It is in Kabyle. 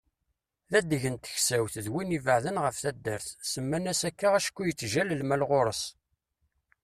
D adeg n teksawt d win ibeεden ɣef taddart, semman-as akka acku yettjal lmal ɣur-s.